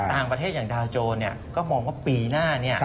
ต่างประเทศอย่างดาวโจรก็มองว่าปีหน้า